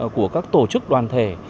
của các tổ chức đoàn thể